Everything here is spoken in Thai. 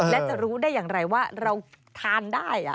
และจะรู้ได้อย่างไรว่าเราทานได้